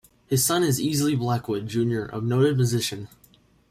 His son is Easley Blackwood Junior a noted musician.